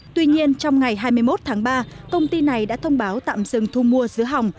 tuy nhiên trong ngày hai mươi một tháng ba công ty này đã thông báo tạm dừng thu mua dứa hỏng